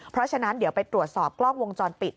เพราะฉะนั้นเดี๋ยวไปตรวจสอบกล้องวงจรปิด